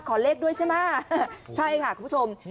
ขอเลขด้วยใช่ไหมใช่ค่ะคุณผู้ชม